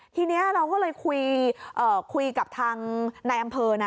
ทีนี้เราก็เลยคุยกับทางนายอำเภอนะ